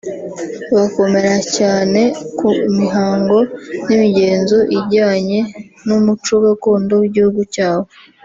bakomera cyane ku mihango n’imigenzo ijyanye n’umuco gakondo w’igihugu cyabo